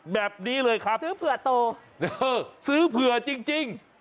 แบบนี้เลยครับซื้อเผื่อโตซื้อเผื่อจริง